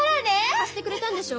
貸してくれたんでしょ？